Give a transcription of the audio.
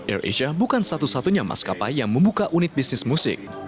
air asia bukan satu satunya maskapai yang membuka unit bisnis musik